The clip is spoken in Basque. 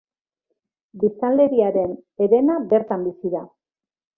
Biztanleriaren herena bertan bizi da.